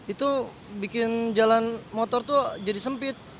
itu bikin jalan motor tuh jadi sempit